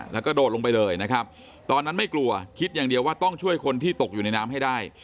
แล้วก็โดดลงไปเลยนะครับตอนนั้นไม่กลัวคิดอย่างเดียวว่าต้องช่วยคนที่ตกอยู่ในน้ำให้ได้